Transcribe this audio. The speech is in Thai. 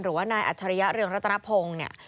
หรือว่านายอัจฉริยะเรืองรัตนพงศ์เนี่ย